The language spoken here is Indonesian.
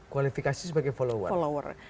kualifikasi sebagai follower